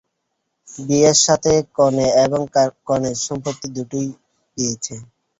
বিয়ের সাথে সাথে কনে এবং কনের সম্পত্তি দুটোই পেয়েছে!